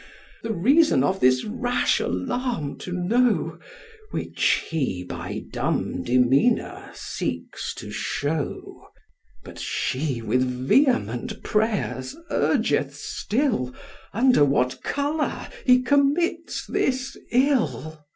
The reason of this rash alarm to know, Which he by dumb demeanour seeks to show; But she with vehement prayers urgeth still Under what colour he commits this ill.